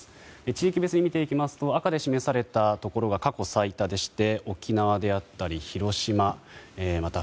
地域別に見ていきますと赤で示されたところが過去最多でして沖縄であったり広島また